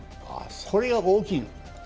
これが大きいの。